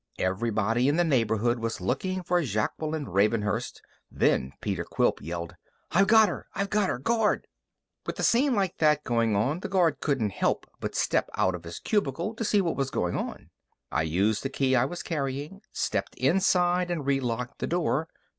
Everybody in the neighborhood was looking for Jaqueline Ravenhurst. Then Peter Quilp yelled. "I've got her! I've got her! Guard!" With a scene like that going on, the guard couldn't help but step out of his cubicle to see what was going on. I used the key I was carrying, stepped inside, and relocked the door.